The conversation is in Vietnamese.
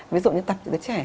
ví dụ như tập trẻ